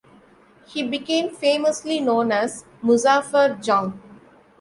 He became famously known as "Muzaffar Jung".